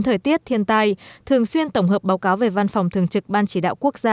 thời tiết thiên tai thường xuyên tổng hợp báo cáo về văn phòng thường trực ban chỉ đạo quốc gia